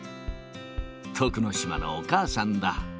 徳之島のお母さんだ。